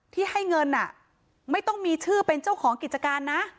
ที่ให้เงินไม่ต้องมีชื่อเป็นเจ้าของกิจการนะ